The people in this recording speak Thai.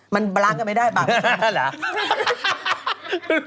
มันล้างกันไม่ได้ป่ะ